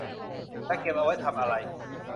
จะเก็บเอาไว้ทำอะไร